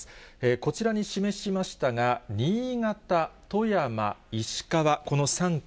こちらに示しましたが、新潟、富山、石川、この３県。